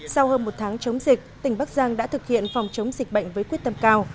sau hơn một tháng chống dịch tỉnh bắc giang đã thực hiện phòng chống dịch bệnh với quyết tâm cao